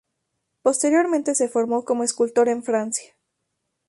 Posteriormente se formó como escultor en Francia.